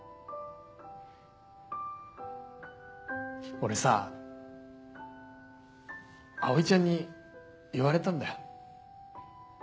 俺さ葵ちゃんに言われたんだよ。